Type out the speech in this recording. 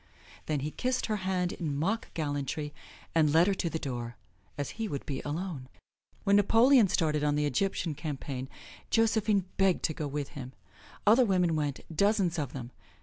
Then he kissed her hand in mock gallantry and led her to the door, as he would be alone. When Napoleon started on the Egyptian campaign, Josephine begged to go with him; other women went, dozens of them.